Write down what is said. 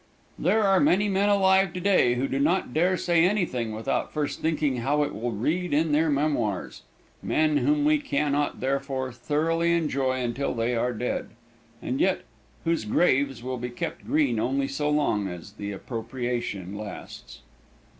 There are many men alive to day who do not dare say anything without first thinking how it will read in their memoirs men whom we can not, therefore, thoroughly enjoy until they are dead, and yet whose graves will be kept green only so long as the appropriation lasts.